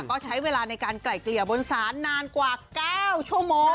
ก็ใช้เวลาในการไกล่เกลี่ยบนศาลนานกว่า๙ชั่วโมง